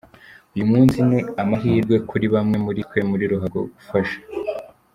Uyu munsi ni amahwirwe kuri bamwe muri twe muri ruhago gufasha.